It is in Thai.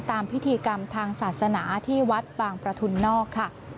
พิธีกรรมทางศาสนาที่วัดบางประทุนนอกค่ะ